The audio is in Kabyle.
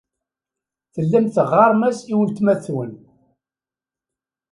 Tellam teɣɣarem-as i weltma-twen.